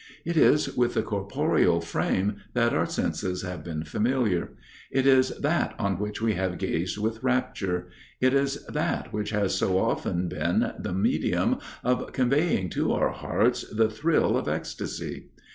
It is with the corporeal frame that our senses have been familiar: it is that on which we have gazed with rapture; it is that which has so often been the medium of conveying to our hearts the thrill of exstacy.